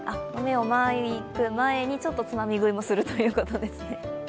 豆をまく前に、ちょっとつまみ食いもするということですね。